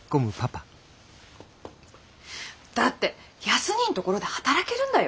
だって康にぃんところで働けるんだよ？